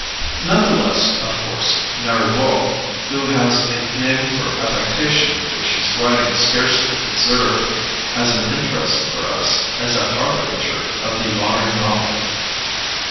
None the less, of course, Marivaux, who has a name for affectation which his writings scarcely deserve, has an interest for us as a harbinger of the modern novel.